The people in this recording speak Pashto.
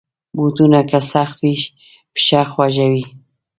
بوټونه که سخت وي، پښه خوږوي.